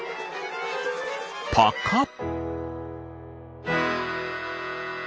パカッ！